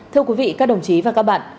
thưa quý vị các đồng chí và các bạn